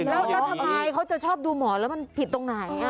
แล้วทำไมเขาจะชอบดูหมอแล้วมันผิดตรงไหน